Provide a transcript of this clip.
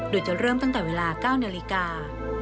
โดยจะเริ่มตั้งแต่เวลา๙นาฬิกา